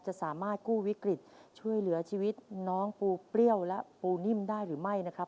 จะสามารถกู้วิกฤตช่วยเหลือชีวิตน้องปูเปรี้ยวและปูนิ่มได้หรือไม่นะครับ